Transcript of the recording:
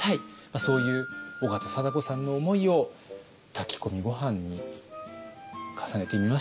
そういう緒方貞子さんの思いを炊き込みご飯に重ねてみました。